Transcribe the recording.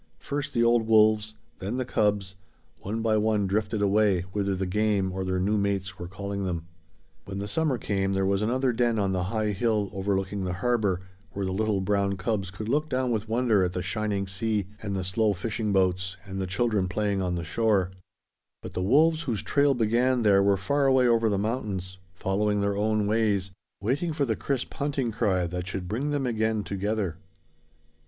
First the old wolves, then the cubs, one by one drifted away whither the game or their new mates were calling them. When the summer came there was another den on the high hill overlooking the harbor, where the little brown cubs could look down with wonder at the shining sea and the slow fishing boats and the children playing on the shore; but the wolves whose trail began there were far away over the mountains, following their own ways, waiting for the crisp hunting cry that should bring them again together.